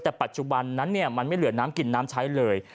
แต่ปัจจุบันนั้นมันไม่เหลือน้ำกินน้ำใช้เลย